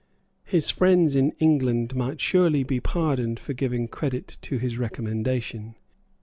His friends in England might surely be pardoned for giving credit to his recommendation.